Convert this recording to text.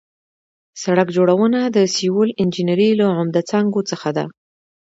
سړک جوړونه د سیول انجنیري له عمده څانګو څخه ده